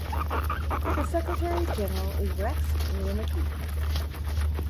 Its Secretary General is Rex Rumakiek.